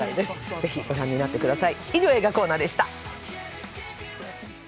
ぜひご覧になってください。